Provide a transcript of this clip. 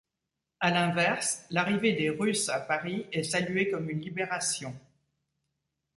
À l'inverse, l'arrivée des Russes à Paris est saluée comme une libération.